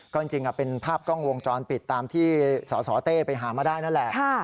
ก็จริงเป็นภาพกล้องวงจรปิดตามที่สสเต้ไปหามาได้นั่นแหละ